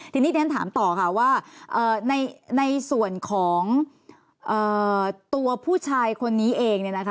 ทีนี้ท่านถามต่อค่ะว่าในส่วนของตัวผู้ชายคนนี้เอง